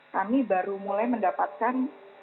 kami baru mulai mendapatkan